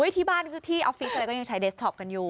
ที่บ้านคือที่ออฟฟิศอะไรก็ยังใช้เดสทอปกันอยู่